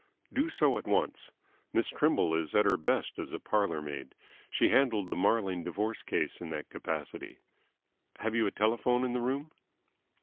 "Do so at once. Miss Trimble is at her best as a parlour maid. She handled the Marling divorce case in that capacity. Have you a telephone in the room?"